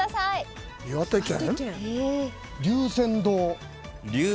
岩手県？